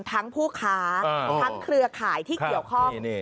ผู้ค้าทั้งเครือข่ายที่เกี่ยวข้อง